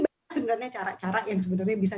sebenarnya cara cara yang sebenarnya bisa